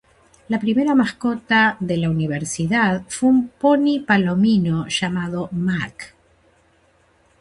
La primera mascota de la universidad fue un poni palomino llamado "Mac".